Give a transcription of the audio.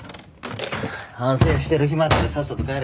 反省してる暇あったらさっさと帰れ。